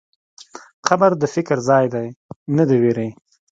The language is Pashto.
قبر د فکر ځای دی، نه د وېرې.